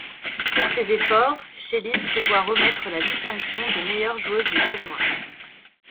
Pour ses efforts, Schelin se voit remettre la distinction de meilleure joueuse du tournoi.